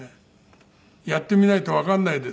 やってみないとわかんないです。